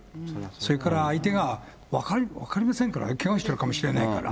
それから相手が分かりませんからね、けがをしてるかもしれないから。